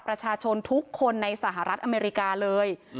ประชาชนทุกคนในสหรัฐอเมริกาเลย